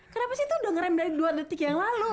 kenapa sih tuh udah ngerem dari dua detik yang lalu